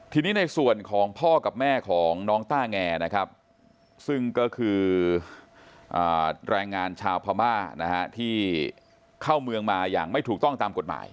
ทีนี้ในส่วนของพ่อกับแม่ของน้องต้าแงนะครับซึ่งก็คือแรงงานชาวพม่านะฮะที่เข้าเมืองมาอย่างไม่ถูกต้องตามกฎหมาย